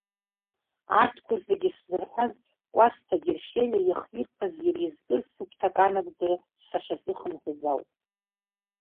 Арҭқәа зегьы сзырҳәаз Кәасҭа Герхелиа иахирԥаз иара изкыз сыгәҭакы анагӡара сахьазыхынҳәыз ауп.